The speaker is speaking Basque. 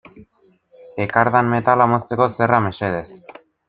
Ekardan metala mozteko zerra mesedez.